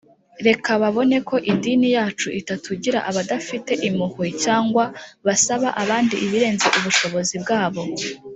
. Reka babone ko idini yacu itatugira abadafite impuhwe cyangwa basaba abandi ibirenze ubushobozi bwabo